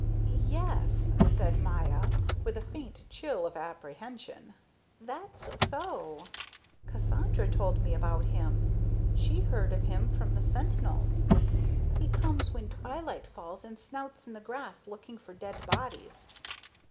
"Yes," said Maya, with a faint chill of apprehension, "that's so; Cassandra told me about him; she heard of him from the sentinels. He comes when twilight falls and snouts in the grass looking for dead bodies.